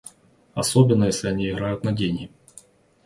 Особенно, если они играют на деньги.